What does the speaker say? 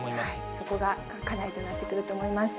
そこが課題となってくると思います。